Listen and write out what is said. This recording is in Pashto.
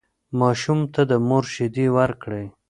ماشوم ته د مور شیدې ورکړئ.